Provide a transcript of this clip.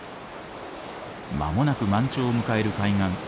間もなく満潮を迎える海岸。